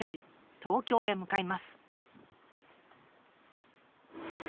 東京へ向かいます。